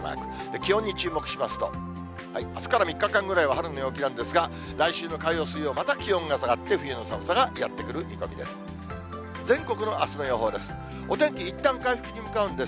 気温に注目しますと、あすから３日間ぐらいは春の陽気なんですが、来週の火曜、水曜、また気温が下がって、冬の寒さがやって来る見込みです。